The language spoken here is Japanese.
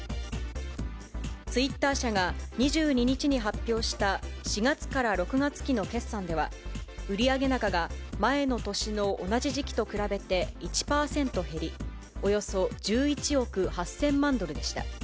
ツイッター社が２２日に発表した４月期から６月期の決算では、売上高が前の年の同じ時期と比べて１％減り、およそ１１億８０００万ドルでした。